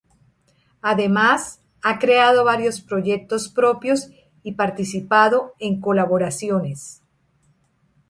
Además, ha creado varios proyectos propios y participado en colaboraciones.